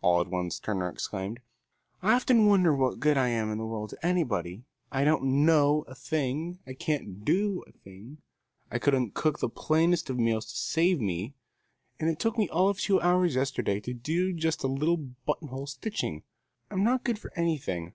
All at once Turner exclaimed: "I often wonder what good I am in the world to anybody. I don't know a thing, I can't do a thing. I couldn't cook the plainest kind of a meal to save me, and it took me all of two hours yesterday to do just a little buttonhole stitching. I'm not good for anything.